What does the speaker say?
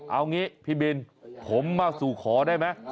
เอางี้พี่บินผมมาสู่ขอได้ไหม